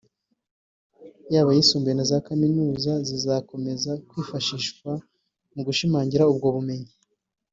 yaba ayisumbuye na za Kaminuza zizakomeza kwifashishwa mu gushimangira ubwo bumenyi